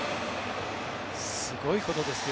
すごいことですよ